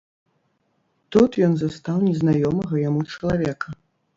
Тут ён застаў незнаёмага яму чалавека.